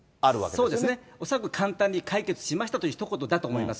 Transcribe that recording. そうですね、恐らく簡単に解決しましたというひと言だと思います。